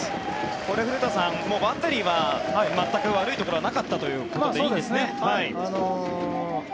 ここで古田さん、バッテリーは全く悪いところはなかったということでいいんですね。